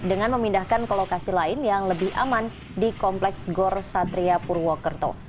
dengan memindahkan ke lokasi lain yang lebih aman di kompleks gor satria purwokerto